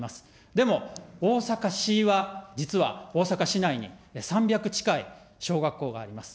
でも、大阪市は実は、大阪市内に３００近い小学校があります。